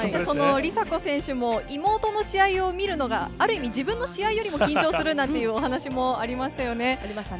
梨紗子選手も妹の試合を見るのが、ある意味、自分の試合よりも緊張するなんていうお話もありありましたね。